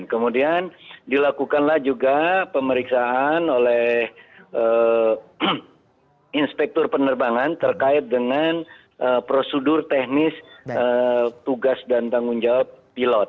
kemudian dilakukanlah juga pemeriksaan oleh inspektur penerbangan terkait dengan prosedur teknis tugas dan tanggung jawab pilot